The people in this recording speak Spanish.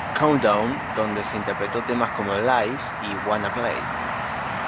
Countdown", donde se interpretó temas como "Lies" y "Wanna Play?".